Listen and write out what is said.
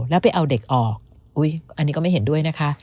แล้วไปเอาเด็กออกอุ๊ยอันนี้ก็ไม่เห็นด้วยนะคะ